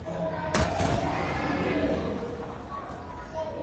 Magofu hayo yanatunza historia ya utawala wa kikoloni wa waarabu